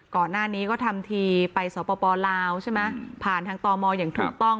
ก่อนหน้านี้ก็ทำทีไปสปลาวใช่ไหมผ่านทางตมอย่างถูกต้อง